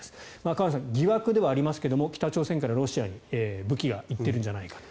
河野さん、疑惑ではありますが北朝鮮からロシアに武器が行っているんじゃないかと。